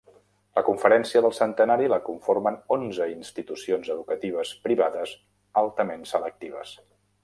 La Conferència del Centenari la conformen onze institucions educatives privades altament selectives.